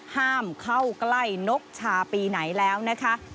ห้ามเข้าใกล้นกชาปีไหนแล้วนะคะ